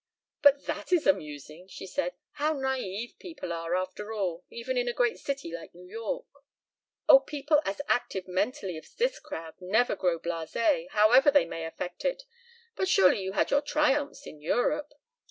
"But that is amusing!" she said. "How naïve people are after all, even in a great city like New York." "Oh, people as active mentally as this crowd never grow blasé, however they may affect it. But surely you had your triumphs in Europe."